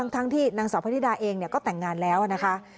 ทั้งที่นางสาวพระธิดาเองก็แต่งงานแล้วนะคะ